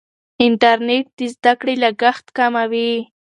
انټرنیټ د زده کړې لګښت کموي.